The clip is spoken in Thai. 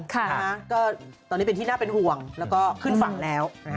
ก็ตอนนี้เป็นที่น่าเป็นห่วงแล้วก็ขึ้นฝั่งแล้ว